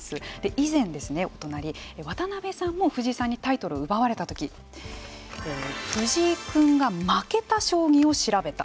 以前ですねお隣渡辺さんも藤井さんにタイトルを奪われたとき藤井君が負けた将棋を調べた。